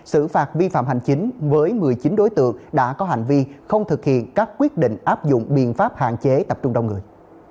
xử phạt vi phạm hành chính với một mươi chín đối tượng đã có hành vi không thực hiện các quyết định áp dụng biện pháp hạn chế tập trung đông người